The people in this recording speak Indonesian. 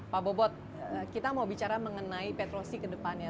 pak bobot kita mau bicara mengenai petrosi ke depannya